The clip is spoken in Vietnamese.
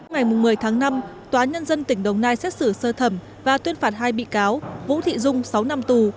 ngày một mươi tháng năm tòa nhân dân tỉnh đồng nai xét xử sơ thẩm và tuyên phạt hai bị cáo vũ thị dung sáu năm tù